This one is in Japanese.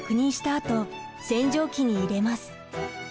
あと洗浄機に入れます。